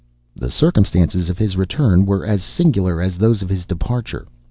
The circumstances of his return were as singular as those of his departure.